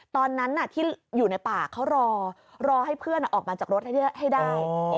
ตอนนั้นที่อยู่ในป่าเขารอรอให้เพื่อนออกมาจากรถให้ได้